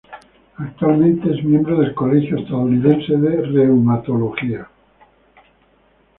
Actualmente es miembro del Colegio Estadounidense de Reumatología.